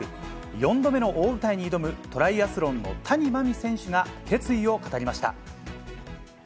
４度目の大舞台に挑むトライアスロンの谷真海選手が決意を語りました。